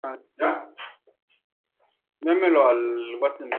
Desde muy joven colabora en revistas literarias y pronto recibe un premio.